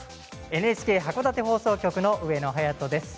ＮＨＫ函館放送局の上野速人です。